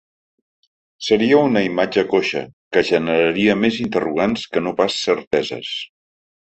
Seria una imatge coixa, que generaria més interrogants que no pas certeses.